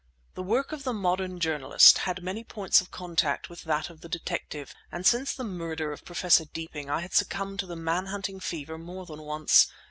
The work of the modern journalist had many points of contact with that of the detective; and since the murder of Professor Deeping I had succumbed to the man hunting fever more than once.